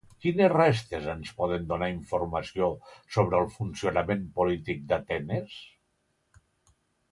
Quines restes ens poden donar informació sobre el funcionament polític d'Atenes?